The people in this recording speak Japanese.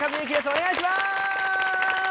お願いします！